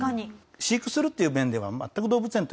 飼育するっていう面では全く動物園と一緒なんですね。